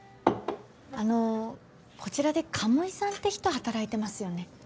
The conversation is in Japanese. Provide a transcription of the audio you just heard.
あのこちらで鴨井さんって人働いてますよね？